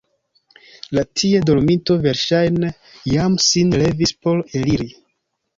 La tie dorminto verŝajne jam sin levis por eliri.